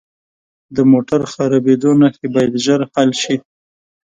د موټر خرابیدو نښې باید ژر حل شي.